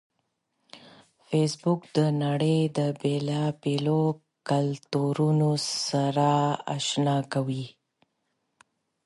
فېسبوک د نړۍ د بیلابیلو کلتورونو سره آشنا کوي